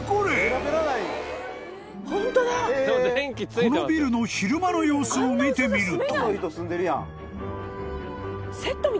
［このビルの昼間の様子を見てみると］